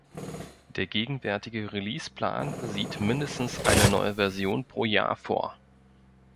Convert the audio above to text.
Der gegenwärtige Release-Plan sieht mindestens eine neue Version pro Jahr vor.